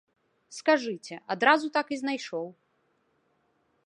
Скажыце, адразу так і знайшоў.